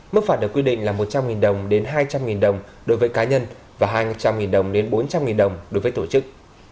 mức phạt được quy định là một trăm linh đồng đến hai trăm linh đồng đối với cá nhân và hai trăm linh đồng đến bốn trăm linh đồng đối với tổ chức